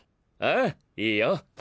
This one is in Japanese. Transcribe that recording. ああいいよ。